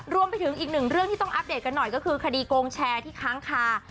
รวมไปถึงอีกหนึ่งเรื่องที่ต้องอัปเดตกันหน่อยก็คือคดีโกงแชร์ที่ค้างคา